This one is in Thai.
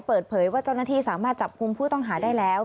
เปิดเผยว่าเจ้าหน้าที่สามารถจับกลุ่มผู้ต้องหาได้แล้ว